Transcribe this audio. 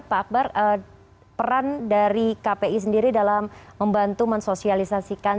pak akbar peran dari kpi sendiri dalam membantu mensosialisasikan